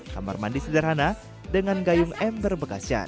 kamar mandi sederhana dengan gayung ember bekas can